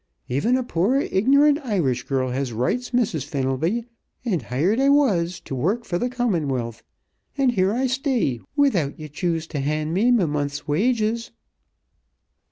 Even a poor ign'rant Irish girl has rights, Mrs. Fenelby, an' hired I was, t' worrk for th' Commonwealth. An' here I stay, without ye choose t' hand me me month's wages!"